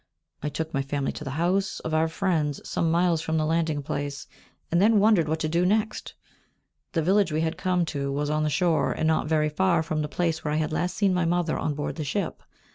I took my family to the house of our friends, some miles from the landing place, and then wondered what to do next. The village we had come to was on the shore, and not very far from the place where I had last seen my mother on board the ship.